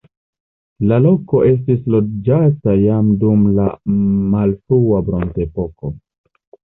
La loko estis loĝata jam dum la malfrua bronzepoko.